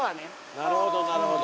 ・なるほどなるほど。